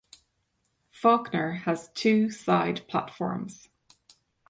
Fawkner has two side platforms.